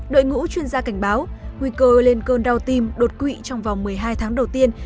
đội ngũ chuyên gia cảnh báo nguy cơ lên cơn đau tim đột quỵ trong vòng một mươi hai tháng đầu tiên